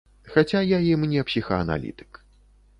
Хаця я ім не псіхааналітык.